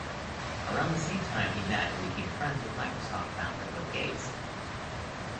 Around the same time he met and became friends with Microsoft founder Bill Gates.